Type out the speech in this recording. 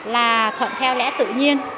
là thuận theo lẽ tự nhiên